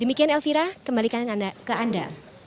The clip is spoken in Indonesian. demikian elvira kembalikan ke anda